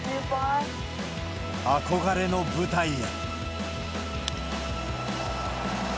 憧れの舞台へ。